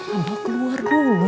abah keluar dulu